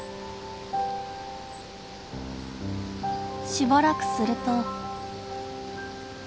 しばらくすると。